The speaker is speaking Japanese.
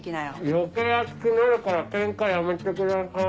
余計暑くなるからケンカやめてください。